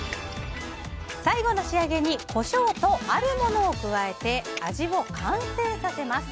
最後の仕上げにコショウとあるものを加えて味を完成させます。